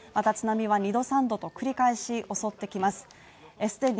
津波は２度３度と繰り返し襲ってきます。